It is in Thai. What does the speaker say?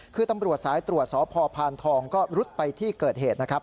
คือตำรวจสายตรวจสพพานทองก็รุดไปที่เกิดเหตุนะครับ